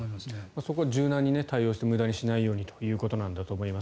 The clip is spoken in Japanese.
そこは柔軟に対応して無駄にしないようにということなんだと思います。